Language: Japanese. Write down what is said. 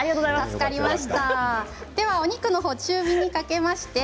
助かりました。